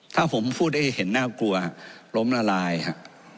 ถ้าผมพูดได้เห็นน่ากลัวล้มละลายครับ